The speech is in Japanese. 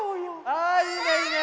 あいいねいいね！